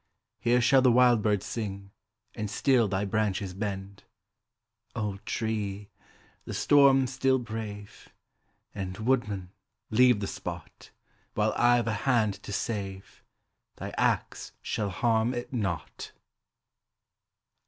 Here shall the wild bird sing, And still thy branches bend. Old tree! the storm still brave! And, woodman, leave the spot; While I've a hand to save, thy axe shall harm it not.